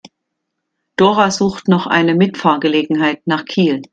Dora sucht noch eine Mitfahrgelegenheit nach Kiel.